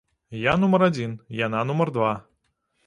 Я нумар адзін, яна нумар два.